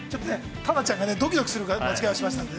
タナちゃんがどきどきする間違いをしましたので。